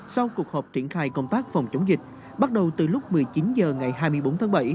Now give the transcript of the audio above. sau cuộc họp triển khai công tác phòng chống dịch bắt đầu từ lúc một mươi chín h ngày hai mươi bốn tháng bảy